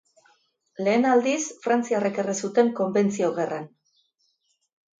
Lehen aldiz frantziarrek erre zuten, Konbentzio Gerran.